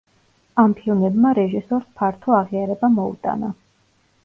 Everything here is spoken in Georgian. ამ ფილმებმა რეჟისორს ფართო აღიარება მოუტანა.